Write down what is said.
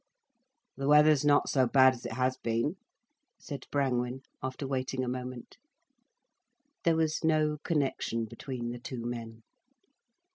"The weather's not so bad as it has been," said Brangwen, after waiting a moment. There was no connection between the two men.